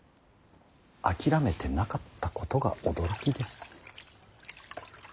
諦めてなかったことが驚きです。